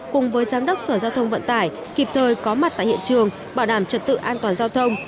cùng với giám đốc sở giao thông vận tải kịp thời có mặt tại hiện trường bảo đảm trật tự an toàn giao thông